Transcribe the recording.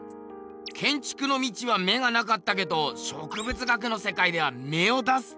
けんちくの道は目がなかったけど植物学の世界では芽を出すってことか？